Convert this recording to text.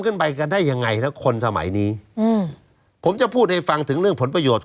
กันไปกันได้ยังไงนะคนสมัยนี้อืมผมจะพูดให้ฟังถึงเรื่องผลประโยชน์